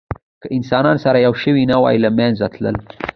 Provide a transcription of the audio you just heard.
که انسانان سره یو شوي نه وی، له منځه تلل.